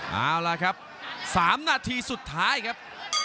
เอาล่ะครับ๓นาทีสุดท้ายครับ